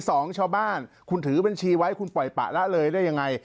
สองชาวบ้านคุณถือบัญชีไว้คุณปล่อยปะละเลยได้ยังไง